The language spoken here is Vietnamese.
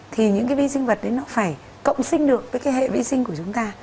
thì những cái vi sinh vật đấy nó phải cộng sinh được với cái hệ vi sinh của chúng ta